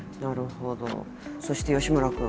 そして吉村君。